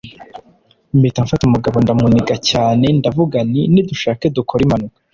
mpita mfata umugabo ndamuniga cyane ndavuga nti nidushake dukore impanuka